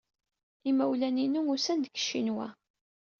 Imawlan-inu usan-d seg Ccinwa.